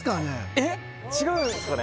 えっ違うんすかね？